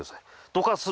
どかす。